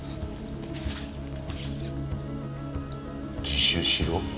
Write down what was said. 自首しろ？